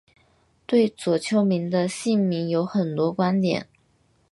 对左丘明的姓名有很多观点。